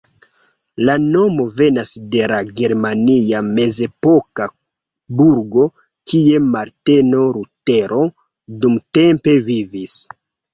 La nomo venas de la germania mezepoka burgo, kie Marteno Lutero dumtempe vivis.